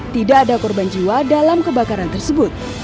tidak ada korban jiwa dalam kebakaran tersebut